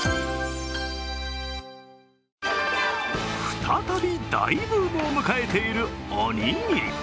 再び大ブームを迎えているおにぎり。